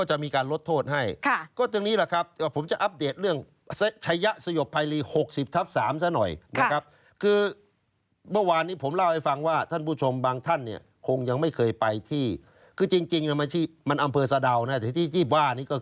ให้การเป็นประโยชน์ก็จะมีการลดโทษให้